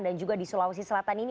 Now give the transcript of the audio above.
dan juga di sulawesi selatan ini